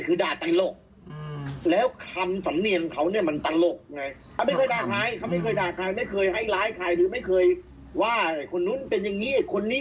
คือเรายกให้เป็นตลกผู้ยิ่งใหญ่เลยนะตลกผู้ยิ่งใหญ่ตลกผู้มีตัวคนรัก